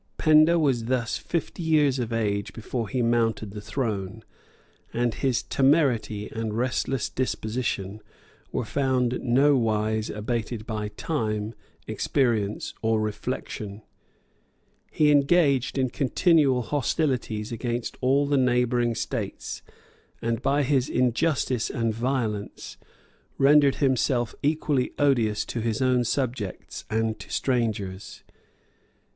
Penda was thus fifty years of age before he mounted the throne; and his temerity and restless disposition were found nowise abated by time, experience, or reflection. He engaged in continual hostilities against all the neighboring states; and, by his injustice and violence, rendered himself equally odious to his own subjects and to strangers.